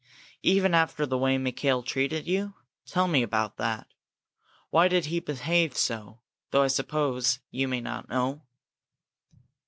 "Even after the way Mikail treated you? Tell me about that. Why did he behave so, though I suppose you may not know?"